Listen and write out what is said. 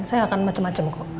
saya akan macam macam kok